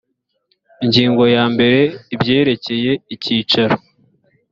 ingingo ya mbere ibyerekeye icyicaro